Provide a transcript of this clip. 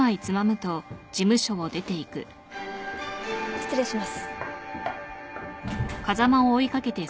失礼します。